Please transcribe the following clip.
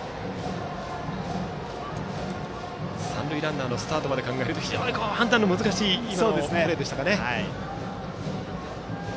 三塁ランナーのスタートまで考えると非常に判断の難しいプレーでした。